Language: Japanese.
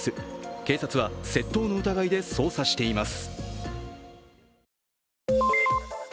警察は窃盗の疑いで捜査しています。